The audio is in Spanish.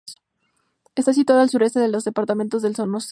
Está situado al suroeste del departamento de Sonsonate.